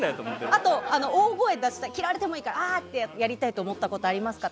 あと大声出して嫌われてもいいからああってやりたくなったことありますか？